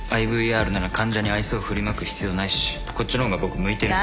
ＩＶＲなら患者に愛想を振りまく必要ないしこっちの方が僕向いてる。